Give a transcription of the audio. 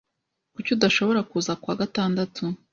Kuki udashobora kuza kuwa gatandatu?